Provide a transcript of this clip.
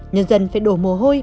nhân dân phải đổ mồ hôi